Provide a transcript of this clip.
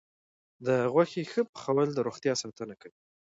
د غوښې ښه پخول د روغتیا ساتنه کوي.